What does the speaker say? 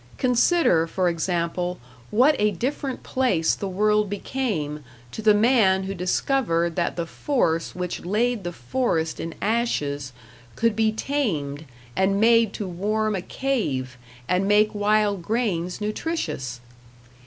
Consider, for example, what a different place the world became to the man who discovered that the force which laid the forest in ashes could be tamed and made to warm a cave and make wild grains nutritious!